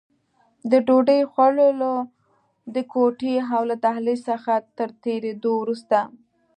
د ډوډۍ خوړلو د کوټې او له دهلېز څخه تر تېرېدو وروسته.